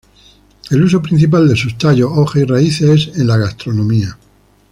El uso principal de sus tallos, hojas, y raíces es en la gastronomía.